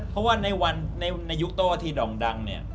เพราะว่าในวันในยุคโต้ที่ด่งดังเนี่ย